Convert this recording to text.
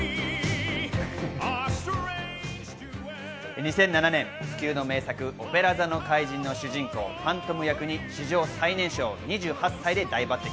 ２００７年、不朽の名作『オペラ座の怪人』の主人公ファントム役に史上最年少２８歳で大抜てき。